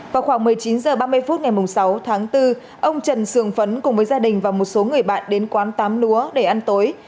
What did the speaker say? vào khoảng một mươi chín h ba mươi phút ngày sáu tháng bốn ông trần sườn phấn cùng với gia đình và một số người bạn đến quán tám lúa để ăn tối